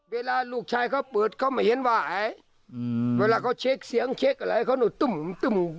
เวลาลูกชายเขาเปิดเขาไม่เห็นว่าอายอืมเวลาเขาเช็คเสียงเช็คอะไรเขาหนูตุ้มตึ้ม